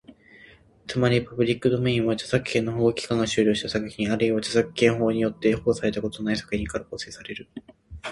つまり、パブリックドメインは、著作権の保護期間が終了した作品、あるいは著作権法によって保護されたことのない作品から構成される。